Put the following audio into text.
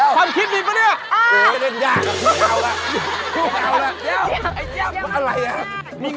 ความคิดดีปะเนี่ย